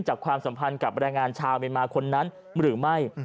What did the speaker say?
ความสัมพันธ์กับแรงงานชาวเมียนมาคนนั้นหรือไม่